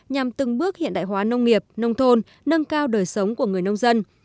nhằm từng bước hiện đại hóa nông nghiệp nông thôn nâng cao đời sống của người nông dân